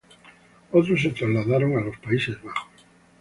Otros se trasladaron a los Países Bajos.